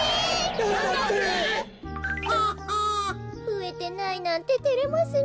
ふえてないなんててれますねえ。